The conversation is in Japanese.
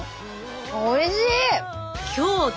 おいしい。